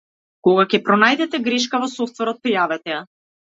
Кога ќе пронајдете грешка во софтверот, пријавете ја.